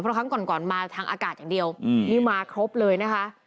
เพราะครั้งก่อนมาทางอากาศอย่างเดียวนี่มาครบเลยนะคะ